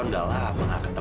oh kita udah lama gak ketemu